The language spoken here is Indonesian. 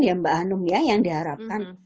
ya mbak hanum ya yang diharapkan